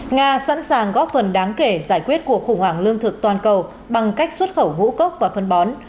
nga sẵn sàng góp phần đáng kể giải quyết cuộc khủng hoảng lương thực toàn cầu bằng cách xuất khẩu ngũ cốc và phân bón